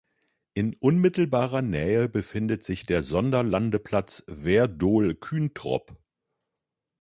In unmittelbarer Nähe befindet sich der Sonderlandeplatz Werdohl-Küntrop.